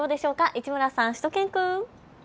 市村さん、しゅと犬くん。